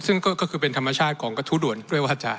ซึ่งก็คือเป็นธรรมชาติของกระทู้ด่วนด้วยวาจา